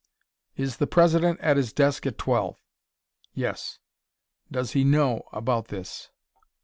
"Is the President at his desk at twelve?" "Yes." "Does he know about this?"